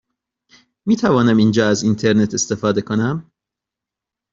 می توانم اینجا از اینترنت استفاده کنم؟